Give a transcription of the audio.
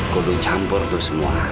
kudu campur tuh semua